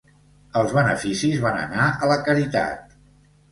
Els beneficis van anar a la caritat.